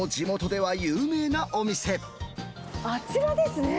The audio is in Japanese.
あちらですね。